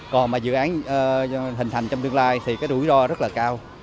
còn dự án hình thành trong tương lai thì đủi đo rất là cao